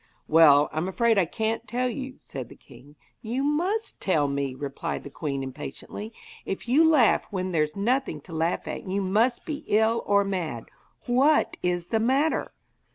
'Well, I'm afraid I can't tell you,' said the king. 'You must tell me,' replied the queen impatiently. 'If you laugh when there's nothing to laugh at you must be ill or mad. What is the matter?'